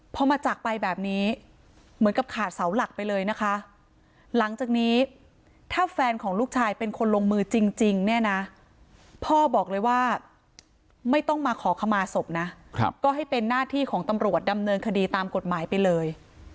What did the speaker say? พอมาจากไปแบบนี้เหมือนกับขาดเสาหลักไปเลยนะคะหลังจากนี้ถ้าแฟนของลูกชายเป็นคนลงมือจริงเนี่ยนะพ่อบอกเลยว่าไม่ต้องมาขอขมาศพนะก็ให้เป็นหน้าที่ของตำรวจดำเนินคดีตามกฎหมายไปเลย